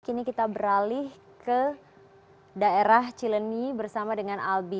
kini kita beralih ke daerah cileni bersama dengan albi